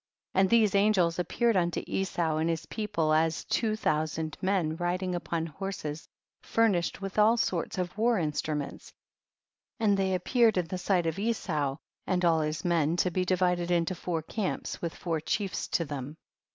29. And these angels appeared un to Esau and his people as two thou sand men, riding upon horses fur nished with all sorts of war instru ments, and they appeared in the sight of Esau and all his men to be divided into four camps, with four chiefs to them.